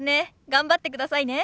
頑張ってくださいね。